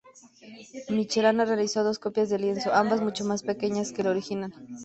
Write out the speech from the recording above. Michelena realizó dos copias del lienzo, ambas mucho más pequeñas que el original.